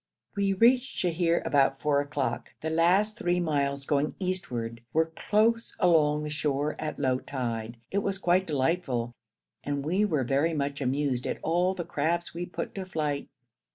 We reached Sheher about four o'clock. The last three miles, going eastward, were close along the shore at low tide. It was quite delightful, and we were very much amused at all the crabs we put to flight.